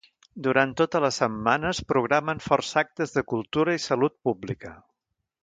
Durant tota la setmana es programen força actes de cultura i salut pública.